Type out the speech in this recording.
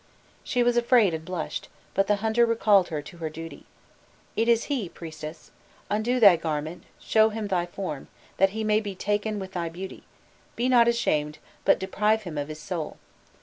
She was afraid and blushed, but the hunter recalled her to her duty. "It is he, priestess. Undo thy garment, show him thy form, that he may be taken with thy beauty; be not ashamed, but deprive him of his soul.